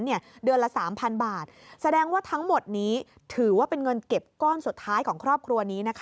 เดือนละ๓๐๐๐บาทแสดงว่าทั้งหมดนี้ถือว่าเป็นเงินเก็บก้อนสุดท้ายของครอบครัวนี้